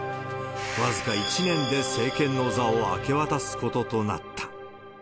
僅か１年で政権の座を明け渡すこととなった。